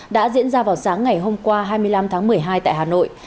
đã diễn ra vào sáng ngày hôm qua hai mươi năm tháng một mươi hai tại hà nội